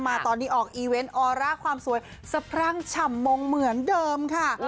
มาตอนนี้ออกอีเวนต์ออร่าความสวยสะพรั่งฉ่ำมงเหมือนเดิมค่ะ